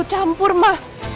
aku campur ma